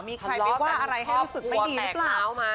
มีใครไปว่าอะไรให้รู้สึกไม่ดีหรือเปล่า